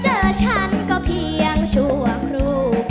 เจอฉันก็เพียงชั่วครู